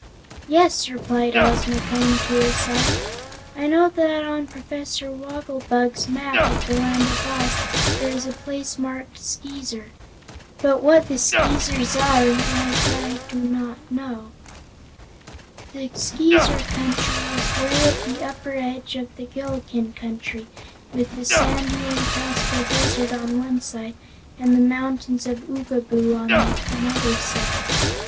"Yes," replied Ozma, coming to her side, "I know that on Professor Wogglebug's Map of the Land of Oz there is a place marked 'Skeezer,' but what the Skeezers are like I do not know. No one I know has ever seen them or heard of them. The Skeezer Country is 'way at the upper edge of the Gillikin Country, with the sandy, impassable desert on one side and the mountains of Oogaboo on another side.